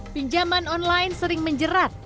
pinjaman online sering menjerat